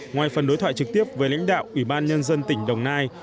ngoài phần đối thoại trực tiếp với lãnh đạo ubnd tỉnh đồng nai